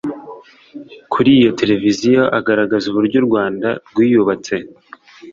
kuri iyo televiziyo agaragaza uburyo u Rwanda rwiyubatse